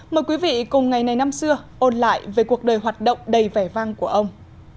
mời quý vị cùng ngày này năm xưa ôn lại về cuộc đời hoạt động đầy vẻ vang của ông